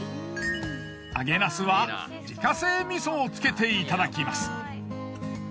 揚げナスは自家製味噌をつけていただきます。